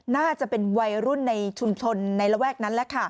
น่าจะเป็นวัยรุ่นในชุมชนในระแวกนั้น